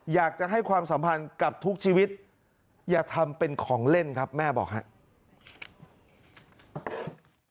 อยากจะให้ความสัมพันธ์กับทุกชีวิตอย่าทำเป็นของเล่นครับแม่บอกครับ